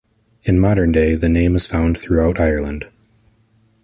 In modern day, the name is found throughout Ireland.